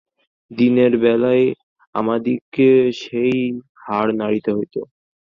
দিনের বেলায় আমাদিগকে সেই হাড় নাড়িতে হইত।